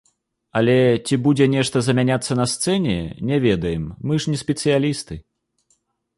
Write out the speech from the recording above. Але, ці будзе нешта замяняцца на сцэне, не ведаем, мы ж не спецыялісты!